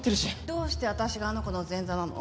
どうして私があの子の前座なの？